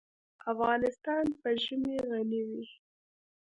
افغانستان په ژمی غني دی.